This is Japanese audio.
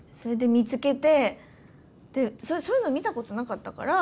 そういうの見たことなかったから。